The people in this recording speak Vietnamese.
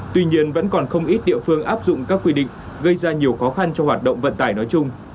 tuy nhiên vẫn còn không ít địa phương áp dụng các quy định gây ra nhiều khó khăn cho hoạt động vận tải nói chung